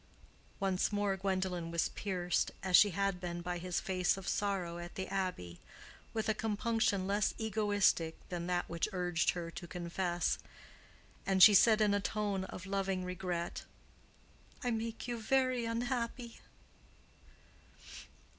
Once more Gwendolen was pierced, as she had been by his face of sorrow at the Abbey, with a compunction less egoistic than that which urged her to confess, and she said, in a tone of loving regret, "I make you very unhappy."